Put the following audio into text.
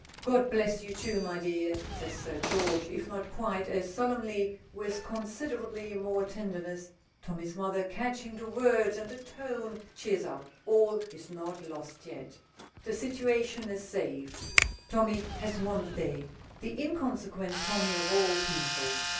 "God bless you too, my dear," says Sir George, if not quite as solemnly, with considerably more tenderness. Tommy's mother, catching the words and the tone, cheers up. All is not lost yet! The situation is saved. Tommy has won the day. The inconsequent Tommy of all people!